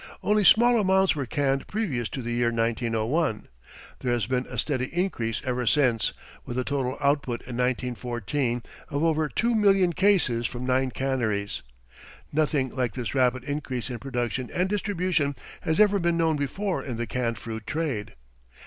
Only small amounts were canned previous to the year 1901. There has been a steady increase ever since, with a total output in 1914 of over 2,000,000 cases from nine canneries. Nothing like this rapid increase in production and distribution has ever been known before in the canned fruit trade.